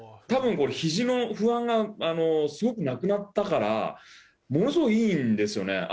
多分、肘の不安がすごくなくなったからものすごい、いいんですよね。